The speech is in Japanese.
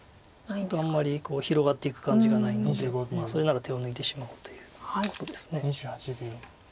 ちょっとあんまり広がっていく感じがないのでそれなら手を抜いてしまおうということです。